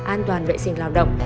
an toàn vệ sinh lao động